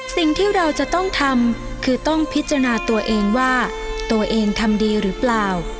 สิ่งที่เราจะต้องทำคือต้องพิจารณาตัวเองว่าตัวเองทำดีหรือเปล่า